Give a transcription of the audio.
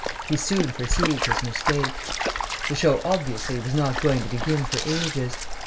He soon perceived his mistake. The show obviously was not going to begin for ages.